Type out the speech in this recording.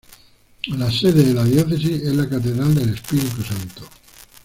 La sede de la diócesis es la catedral del Espíritu Santo.